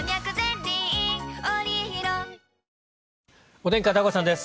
お天気、片岡さんです。